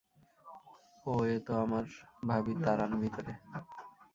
ওহ, এ তো আমার ভাবি তারান ভিতরে!